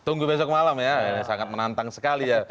tunggu besok malam ya ini sangat menantang sekali ya